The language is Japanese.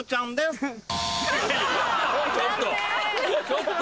ちょっと！